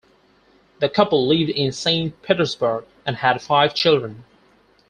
The couple lived in Saint Petersburg and had five children.